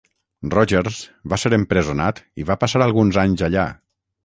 Rogers va ser empresonat i va passar alguns anys allà.